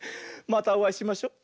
またおあいしましょ。